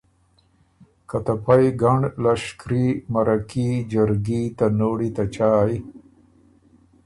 که ته پئ ګنړ لشکري مرکي جرګي ته نوړی ته چایٛ